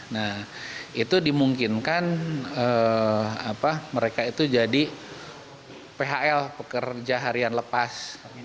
nah itu dimungkinkan mereka itu jadi phl pekerja harian lepas